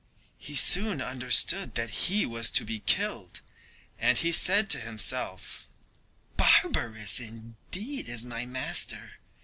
He soon understood that he was to be killed, and he said to himself: "Barbarous, indeed, is my master!